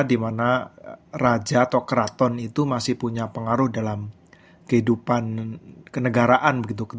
dimana raja atau keraton itu masih punya pengaruh dalam kehidupan kenegaraan begitu